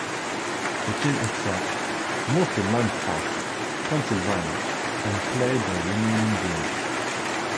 The team itself moved to Lancaster, Pennsylvania and played their remaining games.